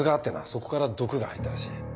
そこから毒が入ったらしい。